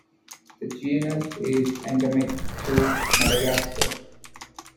The genus is endemic to Madagascar.